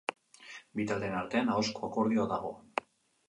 Bi taldeen artean ahozko akordioa dago.